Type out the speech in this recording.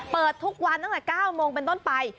เปิดทุกวันตั้งแต่๙โมงเป็นต้นไป